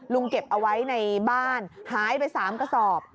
เก็บเอาไว้ในบ้านหายไป๓กระสอบ